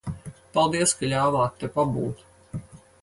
Paldies, ka ļāvāt te pabūt.